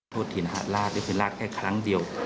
โทษถิ่นฮะลาดนี่คือลาดแค่ครั้งเดียว